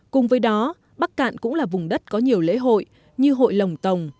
cùng với đó bắc cạn cũng là vùng đất có nhiều lễ hội như hội lồng tồng